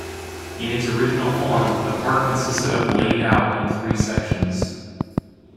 In its original form, the park consisted of laid out in three sections.